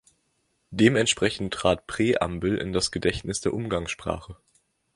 Dementsprechend trat ‚Präambel‘ in das Gedächtnis der Umgangssprache.